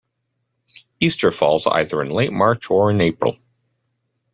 Easter falls either in late March or in April